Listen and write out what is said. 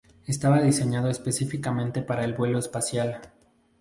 Estaba diseñado específicamente para el vuelo espacial.